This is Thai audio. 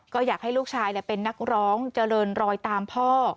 ก็อยากให้ลูกชายเป็นนักร้องเจริญรอยตามพ่อ